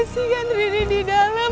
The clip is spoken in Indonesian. oh kasihan riri di dalam